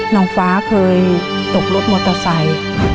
น้องฟ้าเคยตกรถมอเตอร์ไซค์